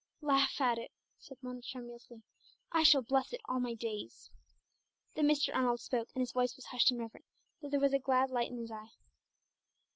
'" "Laugh at it?" said Mona tremulously. "I shall bless it all my days!" Then Mr. Arnold spoke, and his voice was hushed and reverent, though there was a glad light in his eye.